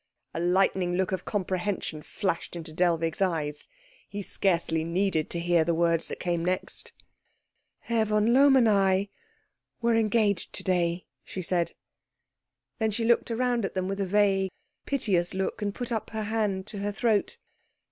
A lightening look of comprehension flashed into Dellwig's eyes; he scarcely needed to hear the words that came next. "Herr von Lohm and I were to day," she said. Then she looked round at them with a vague, piteous look, and put her hand up to her throat.